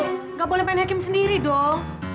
tidak boleh main hakim sendiri dong